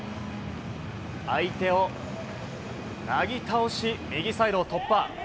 相手をなぎ倒し、右サイドを突破。